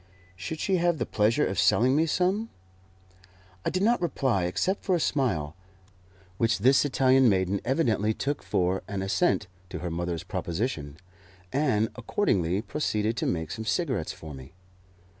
Should she have the pleasure of selling me some? I did not reply except by a smile, which this Italian maiden evidently took for an assent to her mother's proposition, and accordingly proceeded to make some cigarettes for me.